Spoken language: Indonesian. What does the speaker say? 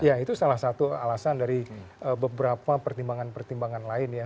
ya itu salah satu alasan dari beberapa pertimbangan pertimbangan lain ya